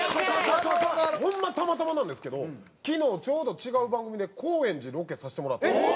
ホンマたまたまなんですけど昨日ちょうど違う番組で高円寺ロケさせてもらった。